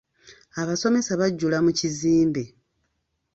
Abasomesa bajjula mu kizimbe.